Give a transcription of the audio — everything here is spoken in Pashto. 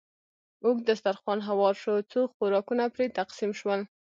اوږد دسترخوان هوار شو، څو خوراکونه پرې تقسیم شول.